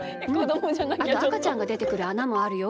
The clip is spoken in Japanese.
あと、あかちゃんがでてくるあなもあるよ。